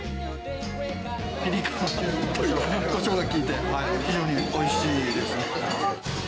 ピリ辛、こしょうが効いて非常においしいですね。